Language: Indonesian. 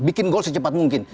bikin gol secepat mungkin